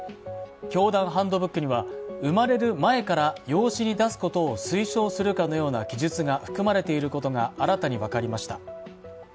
教団ハンドブックには、生まれる前から養子に出すことを推奨するかのような記述が含まれていることが新たに分かりました。